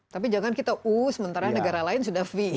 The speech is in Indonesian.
tapi jangan kita u sementara negara lain sudah fee